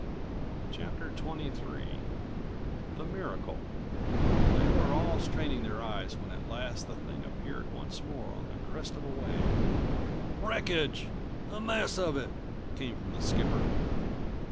219 CHAPTER XXIIITHE MIRACLE They were all straining their eyes when at last the thing appeared once more on the crest of the wave. "Wreckage! A mass of it!" came from the skipper.